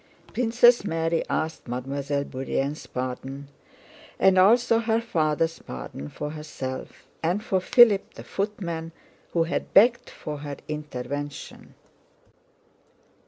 Princess Mary asked Mademoiselle Bourienne's pardon, and also her father's pardon for herself and for Philip the footman, who had begged for her intervention.